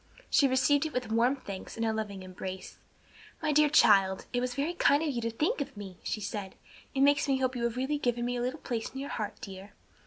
She received it with warm thanks and a loving embrace. "My dear child, it was very kind in you to think of me!" she said. "It makes me hope you have really given me a little place in your heart, dear."